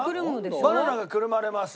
バナナがくるまれます。